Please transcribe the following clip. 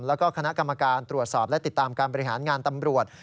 แล้วก็คณะกรรมการตรวจสอบและติดตามการบริหารงานตำรวจ